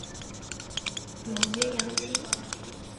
纽约洋基